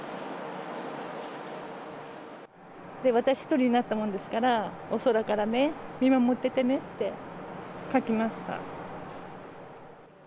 私１人になったものですから、お空からね、見守っててねって書きました。